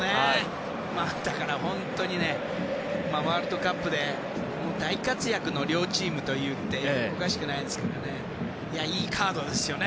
本当にねワールドカップで大活躍の両チームと言ってもおかしくないんですけどね。